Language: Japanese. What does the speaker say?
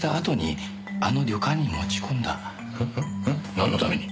なんのために？